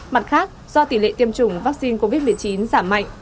mặt khác do tỷ lệ tiêm chủng vaccine covid một mươi chín giảm mạnh